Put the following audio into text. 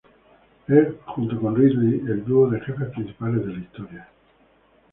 Es, junto con Ridley, el dúo de jefes principales de la historia.